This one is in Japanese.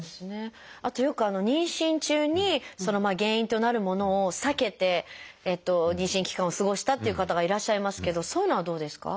あとよく妊娠中に原因となるものを避けて妊娠期間を過ごしたっていう方がいらっしゃいますけどそういうのはどうですか？